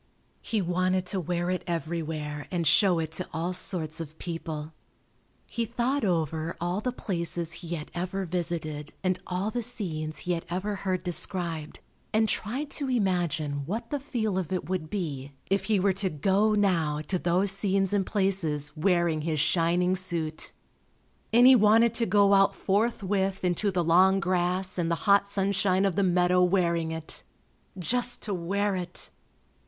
He wanted to wear it everywhere and show it to all sorts of people. He thought over all the places he had ever visited and all the scenes he had ever heard described, and tried to imagine what the feel of it would be if he were to go now to those scenes and places wearing his shining suit, and he wanted to go out forthwith into the long grass and the hot sunshine of the meadow wearing it. Just to wear it!